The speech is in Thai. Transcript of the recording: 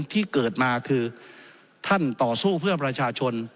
ที่เกิดมาคือท่านต่อสู้เพื่อประชาชน